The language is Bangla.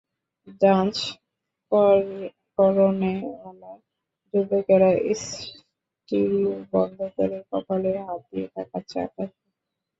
ডান্স করনেওয়ালা যুবকেরা স্টিরিও বন্ধ করে কপালে হাত দিয়ে তাকাচ্ছে আকাশে।